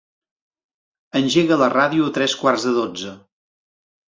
Engega la ràdio a tres quarts de dotze.